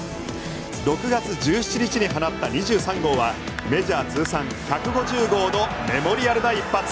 ６月１７日に放った２３号はメジャー通算１５０号のメモリアルな一発。